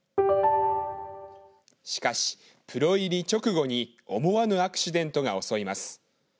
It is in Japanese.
しかし、プロ入り直後に思わぬアクシデントが襲います。